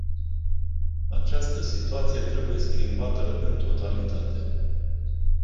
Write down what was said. Această situație trebuie schimbată în totalitate.